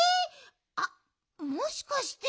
あっもしかして。